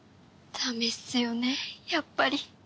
ダメっすよねやっぱり。